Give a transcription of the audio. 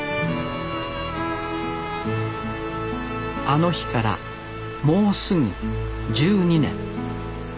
あの日からもうすぐ１２年。